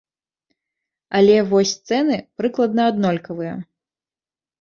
Але вось цэны прыкладна аднолькавыя.